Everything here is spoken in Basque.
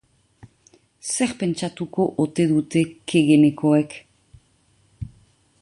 Zer pentsatuko ote dute Kegenekoek?